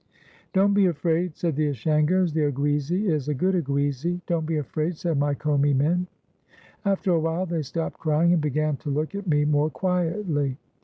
"Don't be afraid," said the Ashangos; "the Oguizi is a good Oguizi." "Don't be afraid," said my Commi men. After a while they stopped crying, and began to look at me more quietly.